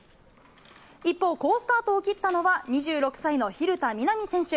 一方、好スタートを切ったのは、２６歳の蛭田みな美選手。